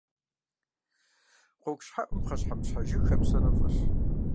Гъуэгущхьэӏум пхъэщхьэмыщхьэ жыг хэпсэну фӏыщ.